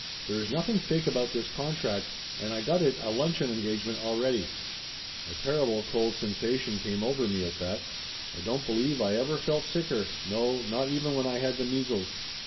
"There is nothing fake about this contract and I got it a luncheon engagement already." A terrible cold sensation come over me at that. I don't believe I ever felt sicker; no, not even when I had the measles.